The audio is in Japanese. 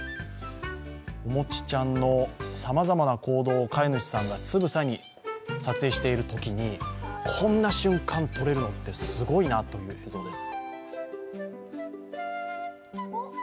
おもちちゃんのさまざまな行動を飼い主さんがつぶさに撮影しているときにこんな瞬間撮れるのってすごいなという映像です。